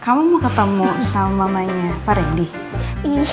kamu mau ketemu sama mamanya pak rendy